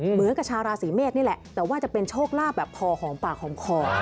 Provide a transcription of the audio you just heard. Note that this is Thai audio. เหมือนกับชาวราศีเมษนี่แหละแต่ว่าจะเป็นโชคลาภแบบพอหอมปากหอมคอ